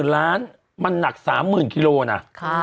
๓๐๐๐๐ล้านมันหนัก๓๐๐๐๐กิโลนะ